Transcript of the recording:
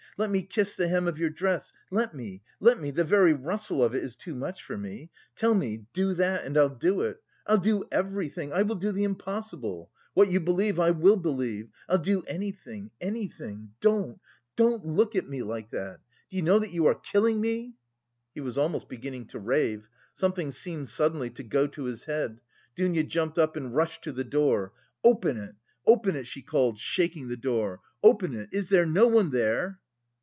Let me kiss the hem of your dress, let me, let me.... The very rustle of it is too much for me. Tell me, 'do that,' and I'll do it. I'll do everything. I will do the impossible. What you believe, I will believe. I'll do anything anything! Don't, don't look at me like that. Do you know that you are killing me?..." He was almost beginning to rave.... Something seemed suddenly to go to his head. Dounia jumped up and rushed to the door. "Open it! Open it!" she called, shaking the door. "Open it! Is there no one there?"